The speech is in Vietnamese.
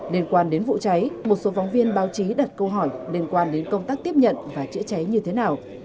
liên quan đến vụ cháy một số phóng viên báo chí đặt câu hỏi liên quan đến công tác tiếp nhận và chữa cháy như thế nào